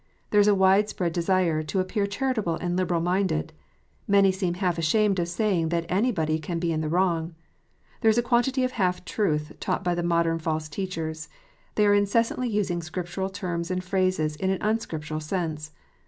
There is a wide spread desire to appear charitable and liberal minded : many seem half ashamed of saying that anybody can be in the wrong. There is a quantity of half truth taught by the modern false teachers : they are incessantly using Scriptural terms and phrases in an uuscriptural sense.